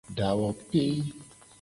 Dawope.